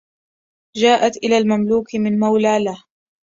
جاءت إلى المملوك من مولى له